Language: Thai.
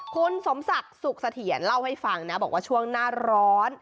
คุณสมศักดิ์สุขเสถียรเล่าให้ฟังนะบอกว่าช่วงหน้าร้อน